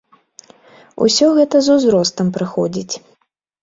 Усё гэта з узростам прыходзіць.